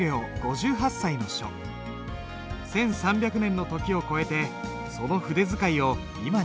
１，３００年の時を超えてその筆使いを今に伝えている。